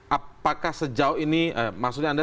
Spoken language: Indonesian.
apakah sejauh ini maksudnya anda